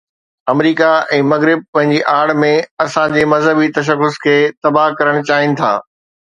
آمريڪا ۽ مغرب پنهنجي آڙ ۾ اسان جي مذهبي تشخص کي تباهه ڪرڻ چاهين ٿا.